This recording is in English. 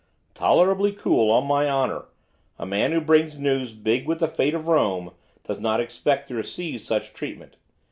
Tolerably cool, on my honour, a man who brings news big with the fate of Rome does not expect to receive such treatment.